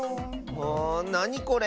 なにこれ？